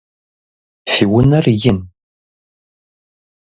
Фи унэр ин?